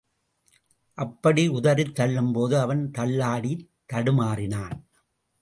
அப்படி உதறித் தள்ளும்போது அவன் தள்ளாடித் தடுமாறினான்.